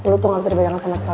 lo tuh gak bisa dipegang sama sama